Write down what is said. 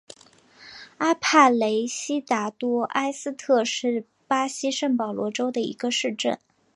阿帕雷西达多埃斯特是巴西圣保罗州的一个市镇。